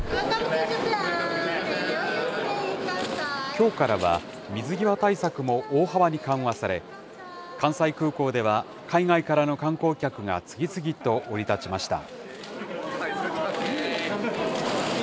きょうからは、水際対策も大幅に緩和され、関西空港では、海外からの観光客が次々と降り立ちました。